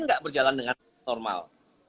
tidak berjalan dengan normal